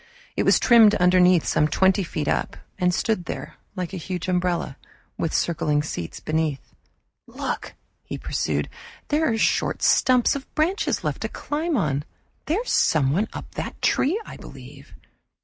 It was trimmed underneath some twenty feet up, and stood there like a huge umbrella, with circling seats beneath. "Look," he pursued. "There are short stumps of branches left to climb on. There's someone up that tree, I believe."